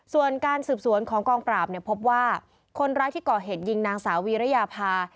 ส่วนการสืบสวนของกองปราบเนี่ยพบว่าคนร้ายที่ก่อเหตุยิงนางสาววีรยาภา